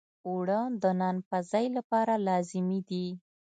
اوړه د نان پزی لپاره لازمي دي